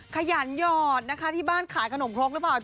ขยันหยอดนะคะที่บ้านขายขนมครกหรือเปล่า